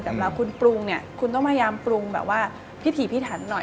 แต่เวลาคุณปรุงเนี่ยคุณต้องพยายามปรุงแบบว่าพิถีพิถันหน่อย